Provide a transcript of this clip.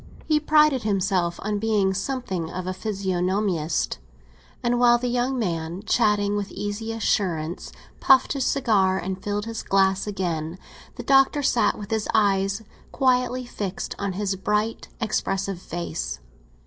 He prided himself on being something of a physiognomist, and while the young man, chatting with easy assurance, puffed his cigar and filled his glass again, the Doctor sat with his eyes quietly fixed on his bright, expressive face.